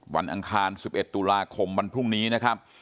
อังคาร๑๑ตุลาคมวันพรุ่งนี้นะครับ